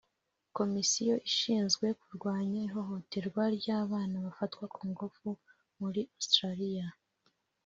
Komisiyo ishinzwe kurwanya ihohoterwa ry’abana bafatwa ku ngufu muri Australia